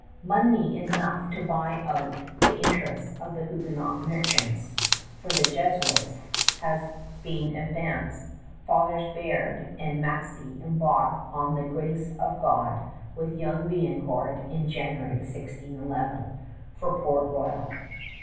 Money enough to buy out the interests of the Huguenot merchants for the Jesuits has been advanced. Fathers Biard and Massé embark on The Grace of God with young Biencourt in January, 1611, for Port Royal.